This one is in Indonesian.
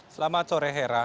selamat sore hera